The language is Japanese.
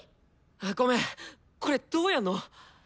ごめんこれどうやんの！？